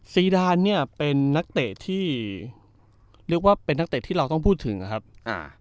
ซีดานเนี่ยเป็นนักเตะที่เรียกว่าเป็นนักเตะที่เราต้องพูดถึงนะครับอ่า